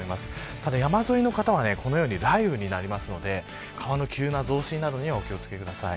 ただ、山沿いの方はこのように雷雨になりますので川の急な増水などにはお気を付けください。